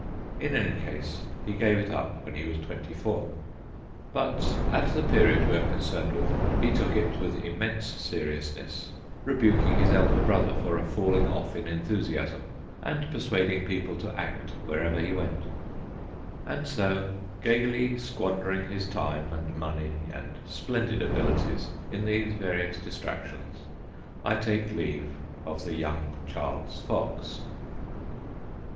In any case, he gave it up when he was twenty four. But at the period we are concerned with he took it with immense seriousness, rebuking his elder 232 THE GHOSTS OF PICCADILLY brother for a falling off in enthusiasm and persuading people to act wherever he went. And so, gaily squandering his time and money and splendid abilities in these various distractions, I take my leave of the young Charles Fox.